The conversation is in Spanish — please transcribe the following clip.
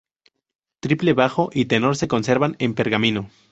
Tiple, Bajo y Tenor se conservan en pergamino.